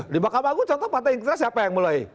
di mahkamah aku contoh pantai inktra siapa yang mulai